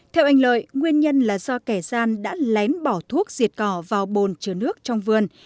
theo anh lợi nguyên nhân là do kẻ gian đã lén bỏ thuốc diệt cỏ vào bồn chứa nước trong vườn